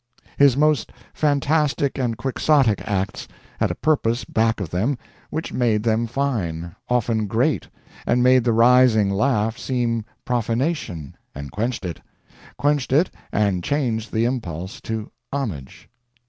His most fantastic and quixotic acts had a purpose back of them which made them fine, often great, and made the rising laugh seem profanation and quenched it; quenched it, and changed the impulse to homage.